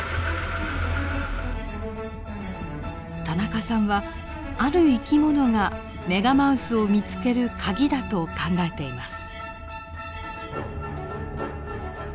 田中さんはある生き物がメガマウスを見つける鍵だと考えています。